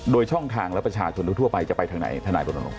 โดยช่องทางและประชาชนทั่วไปจะไปทางไหนทนายรณรงค